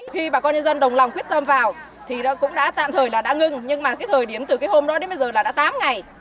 khi bà con nhân dân đồng lòng quyết tâm vào thì cũng đã tạm thời là đã ngưng nhưng mà cái thời điểm từ cái hôm đó đến bây giờ là đã tám ngày